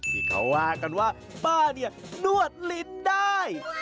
ที่เขาว่ากันว่าป้าเนี่ยนวดลิ้นได้